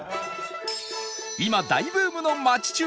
今大ブームの町中華